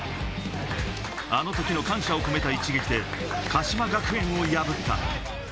あの時の感謝を込めた一撃で鹿島学園を破った。